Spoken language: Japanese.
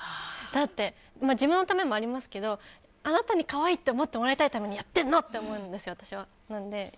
だって自分のためもありますけどあなたに可愛いって思ってもらいたいためにやってるの！って思いますけど。